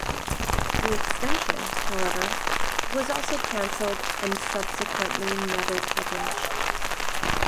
The extension, however, was also cancelled and subsequently never published.